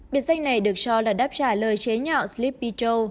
biệt danh này được cho là đáp trả lời chế nhạo sleepy joe